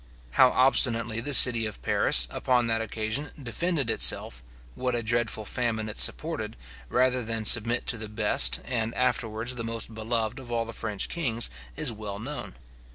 How obstinately the city of Paris, upon that occasion, defended itself, what a dreadful famine it supported, rather than submit to the best, and afterwards the most beloved of all the French kings, is well known.